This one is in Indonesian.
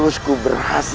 untuk apa itu